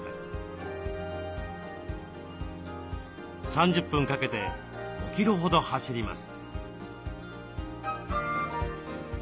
３０分かけて５キロほど走ります。